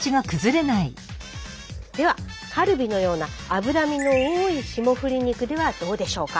ではカルビのような脂身の多い霜降り肉ではどうでしょうか？